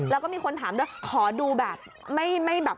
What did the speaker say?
แล้วก็มีคนถามได้ครับขอดูแบบ